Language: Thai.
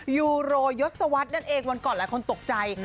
ยูโรยศวรรษนั่นเองวันก่อนหลายคนตกใจ